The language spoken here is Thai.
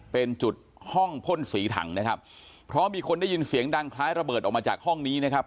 เป็นจุดห้องพ่นสีถังนะครับเพราะมีคนได้ยินเสียงดังคล้ายระเบิดออกมาจากห้องนี้นะครับ